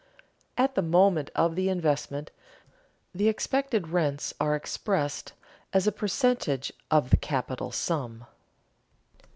At the moment of the investment, the expected rents are expressed as a percentage of the capital sum.